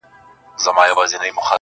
پرېږده په نغمو کي د بېړۍ د ډوبېدو کیسه!.